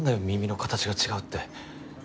耳の形が違うって。